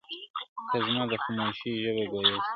که زما د خاموشۍ ژبه ګویا سي,